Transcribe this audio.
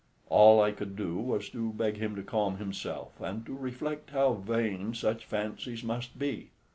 All I could do was to beg him to calm himself, and to reflect how vain such fancies must be.